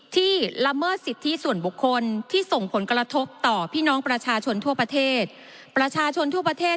ที่ละเมิดสิทธิส่วนบุคคลที่ส่งผลกระทบต่อพี่น้องประชาชนทั่วประเทศ